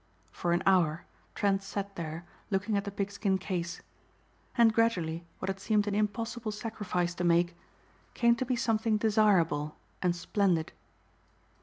For an hour Trent sat there looking at the pigskin case. And gradually what had seemed an impossible sacrifice to make, came to be something desirable and splendid.